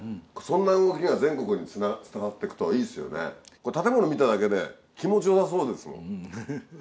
これ建物見ただけで気持ち良さそうですもん。